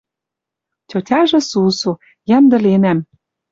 Тьотяжы сусу: «Йӓмдӹленӓм